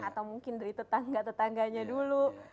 atau mungkin dari tetangga tetangganya dulu